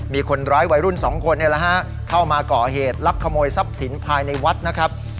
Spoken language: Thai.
มีคนร้ายวัยรุ่นสองคนเข้ามาก่อเหตุลักขโมยทรัพย์สินภายในวัดนะครับ